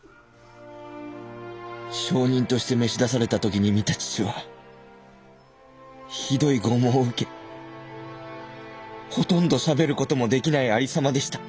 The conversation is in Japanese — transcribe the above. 証人として召し出された時に見た父はひどい拷問を受けほとんどしゃべる事もできないありさまでした。